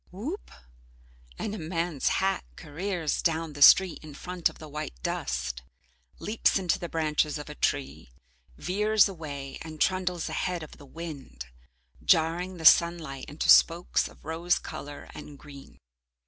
Whoop! And a man's hat careers down the street in front of the white dust, leaps into the branches of a tree, veers away and trundles ahead of the wind, jarring the sunlight into spokes of rose colour and green.